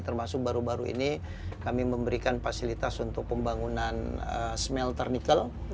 termasuk baru baru ini kami memberikan fasilitas untuk pembangunan smelter nikel